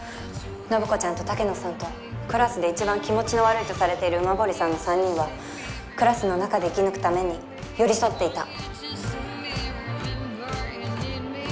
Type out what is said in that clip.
信子ちゃんと竹野さんとクラスで一番気持ち悪いとされている馬堀さんの三人はクラスの中で生き抜くために寄り添っていた。